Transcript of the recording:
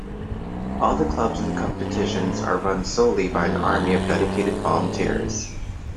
All the clubs and competitions are run solely by an army of dedicated volunteers.